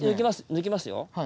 抜きますよ。